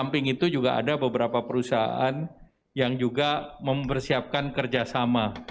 samping itu juga ada beberapa perusahaan yang juga mempersiapkan kerjasama